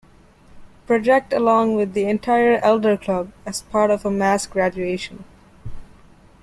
Project along with the entire Elder Club, as part of a mass graduation.